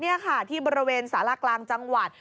นี่ค่ะที่บริเวณสารากลางจังหวัด